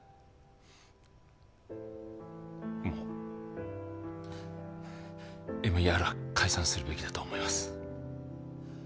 もうＭＥＲは解散するべきだと思います